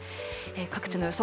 各地の予想